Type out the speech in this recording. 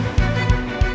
ya kita berhasil